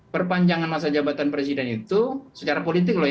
perpanjangan masa jabatan presiden itu secara politik loh